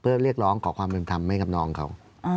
เพื่อเรียกร้องขอความเป็นธรรมให้กับน้องเขา